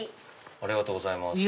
ありがとうございます。